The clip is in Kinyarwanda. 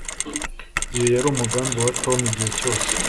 iyo yari umugambi wa tom igihe cyose